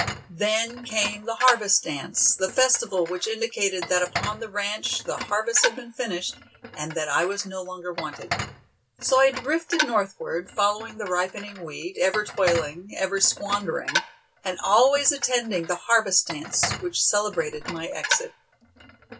Then came the harvest dance, the festival which indicated that upon the ranch the harvest had been finished, and that I was no longer wanted. So I drifted northward, following the ripening wheat, ever toiling, ever squandering, and always attending the harvest dance which celebrated my exit.